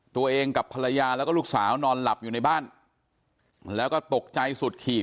ตัวเองกับภรรยาแล้วก็ลูกสาวนอนหลับอยู่ในบ้านแล้วก็ตกใจสุดขี่